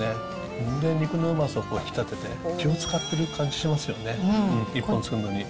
全然肉のうまさ引き立てて、気を遣ってる感じしますよね、１本作るのに。